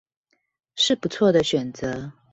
是不錯的選擇